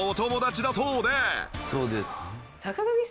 「そうです」